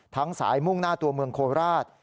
สายมุ่งหน้าตัวเมืองโคราช